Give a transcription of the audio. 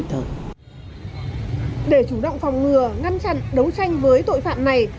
để chủ động phòng ngừa ngăn chặn đấu tranh với tội phạm này